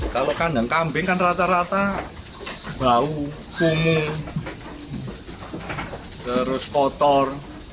kalau kandang kambing kan rata rata bau kumuh terus kotor